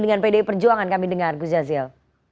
dengan pdi perjuangan kami dengar gus jazil